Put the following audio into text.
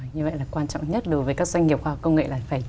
như vậy là quan trọng nhất đối với các doanh nghiệp khoa học công nghệ là phải